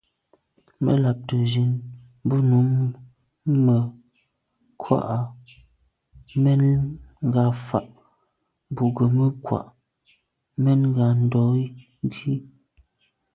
Mə́ làptə̀ zín bú nùúm mə́ krwàá’ mɛ̂n ngà fa’ bú gə̀ mə́ krwàá’ mɛ̂n ngà ndɔ́ gí.